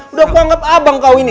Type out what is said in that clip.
udah aku anggap abang kau ini